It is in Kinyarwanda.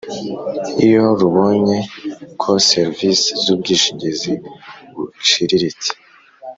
Iyo rubonye ko serivisi z ubwishingizi buciriritse